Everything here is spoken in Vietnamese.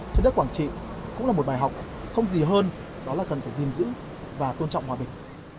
trên đất quảng trị cũng là một bài học không gì hơn đó là cần phải gìn giữ và tôn trọng hòa bình